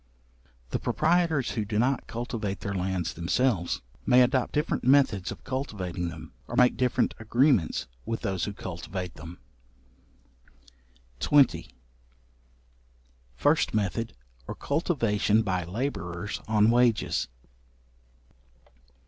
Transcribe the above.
The proprietors who do not cultivate their lands themselves, may adopt different methods of cultivating them, or make different agreements with those who cultivate them. §20. First method, or cultivation by labourers on wages.